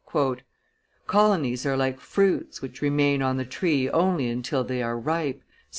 "Colonies are like fruits which remain on the tree only until they are ripe," said M.